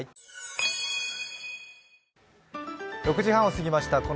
６時半を過ぎました。